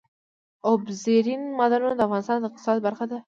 اوبزین معدنونه د افغانستان د اقتصاد برخه ده.